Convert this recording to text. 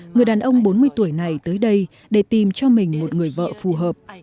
người đàn ông bốn mươi tuổi này tới đây để tìm cho mình một người vợ phù hợp